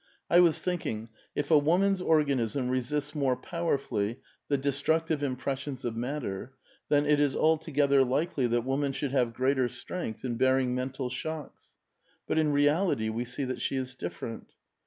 I was think ing, if a woman's organism resists more powerfully the destructive impressions of matter, then it is altogether likely that woman should have greater strength in bearing mental shocks. But in reality' we see that she is different."